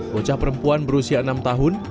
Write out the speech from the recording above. bocah perempuan berusia enam tahun